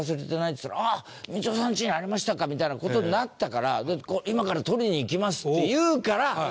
っつったら「あっ光代さんちにありましたか」みたいな事になったから「今から取りに行きます」って言うから。